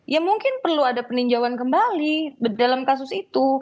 ya mungkin perlu ada peninjauan kembali dalam kasus itu